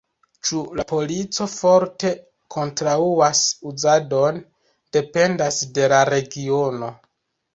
Ĉu la polico forte kontraŭas uzadon, dependas de la regiono.